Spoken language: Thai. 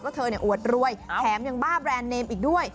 เธออวดรวยแถมยังบ้าแบรนด์เนมอีกด้วย